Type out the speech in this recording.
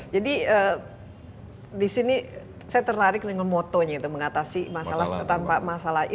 jadi disini saya tertarik dengan motonya itu mengatasi masalah tanpa masalah